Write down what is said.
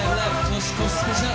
年越しスペシャル」